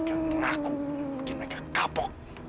kau takut bener ya oke ayo